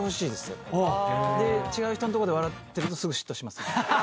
で違う人のとこで笑ってるとすぐ嫉妬します。